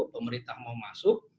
pemerintah mau masuk